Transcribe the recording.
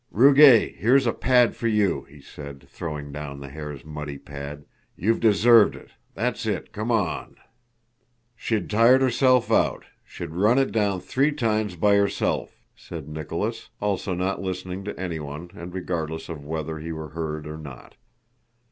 "Rugáy, here's a pad for you!" he said, throwing down the hare's muddy pad. "You've deserved it, that's it, come on!" "She'd tired herself out, she'd run it down three times by herself," said Nicholas, also not listening to anyone and regardless of whether he were heard or not.